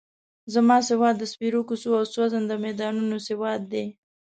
زما سواد د سپېرو کوڅو او سوځنده میدانونو سواد دی.